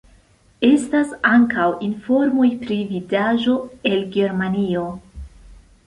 Estas ankaŭ informoj pri vidaĵo el Germanio.